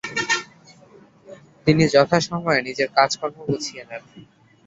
তিনি যথাসময়ে নিজের কাজকর্ম গুছিয়ে নেন।